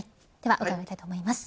伺いたいと思います。